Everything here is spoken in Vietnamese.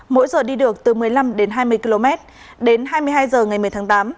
mỗi giờ đi được từ một mươi năm đến hai mươi km đến hai mươi hai h ngày một mươi tháng tám